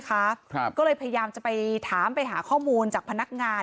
ครับก็เลยพยายามจะไปถามไปหาข้อมูลจากพนักงาน